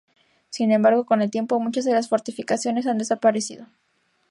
Sin embargo, con el tiempo muchas de las fortificaciones han desaparecido.